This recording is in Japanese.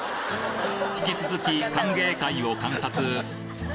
引き続き歓迎会を観察。